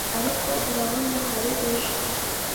ariko, urabona, hari ejo